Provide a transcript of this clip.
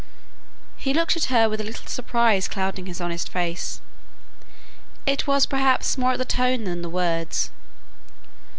He looked at her with a little surprise clouding his honest face; it was perhaps more at the tone than the words.